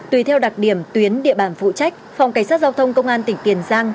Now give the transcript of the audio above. tùy theo đặc điểm tuyến địa bàn phụ trách phòng cảnh sát giao thông công an tỉnh tiền giang